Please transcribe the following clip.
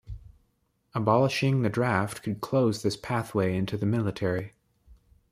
Abolishing the draft could close this pathway into the military.